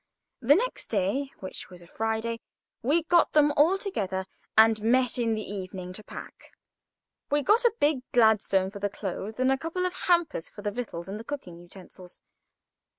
The next day, which was Friday, we got them all together, and met in the evening to pack. We got a big Gladstone for the clothes, and a couple of hampers for the victuals and the cooking utensils.